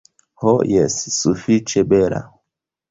Ho jes, sufiĉe bela.